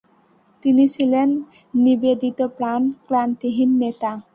তিনি ছিলেন নিবেদিতপ্রাণ, ক্লান্তিহীন নেতা।